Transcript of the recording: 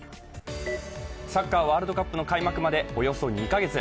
サッカー・ワールドカップの開幕まで、およそ２か月。